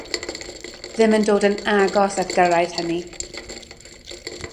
Ddim yn dod yn agos at gyrraedd hynny.